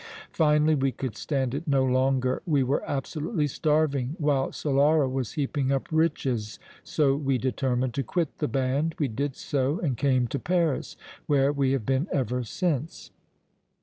Finally we could stand it no longer; we were absolutely starving while Solara was heaping up riches, so we determined to quit the band. We did so and came to Paris, where we have been ever since."